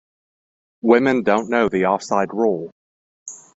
Women don't know the offside rule.